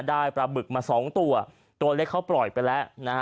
ปลาบึกมาสองตัวตัวเล็กเขาปล่อยไปแล้วนะฮะ